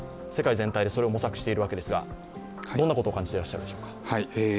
世界全体でそれを模索しているわけですが、どんなことを感じていらっしゃるでしょうか。